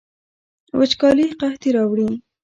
وچکالي قحطي راوړي